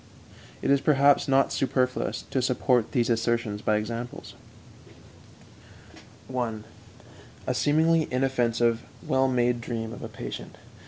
It is, perhaps, not superfluous to support these assertions by examples: 1. _A seemingly inoffensive, well made dream of a patient.